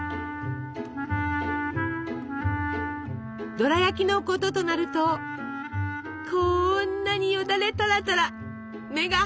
ドラやきのこととなるとこんなによだれタラタラ目がハート！